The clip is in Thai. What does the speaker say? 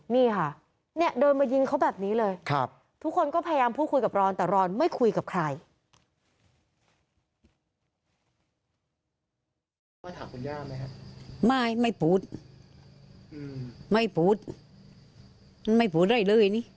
นี่ค่ะเนี่ยเดินมายิงเขาแบบนี้เลยทุกคนก็พยายามพูดคุยกับรอนแต่รอนไม่คุยกับใคร